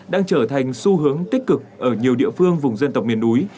đang trở thành xu hướng tích cực ở nhiều địa phương vùng dân tộc miền núi